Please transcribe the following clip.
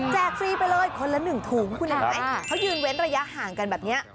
ฟรีไปเลยคนละ๑ถุงคุณเห็นไหมเขายืนเว้นระยะห่างกันแบบนี้